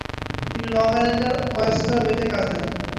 তিনি লং আইল্যান্ডের অয়ষ্টার বেতে কাজ নেন।